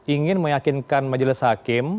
ingin meyakinkan majelis hakim